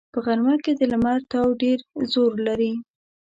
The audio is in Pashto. په غرمه کې د لمر تاو ډېر زور لري